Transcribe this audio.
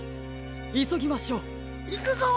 いそぎましょう。いくぞ！